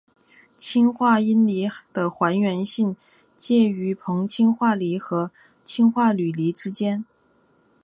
氢化铟锂的还原性介于硼氢化锂和氢化铝锂之间。